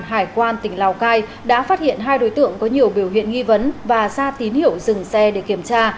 hải quan tỉnh lào cai đã phát hiện hai đối tượng có nhiều biểu hiện nghi vấn và ra tín hiệu dừng xe để kiểm tra